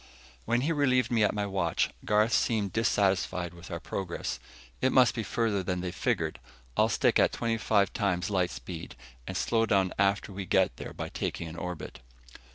When he relieved me at my watch, Garth seemed dissatisfied with our progress. "It must be farther than they've figured. I'll stick at twenty five times light speed, and slow down after we get there by taking an orbit."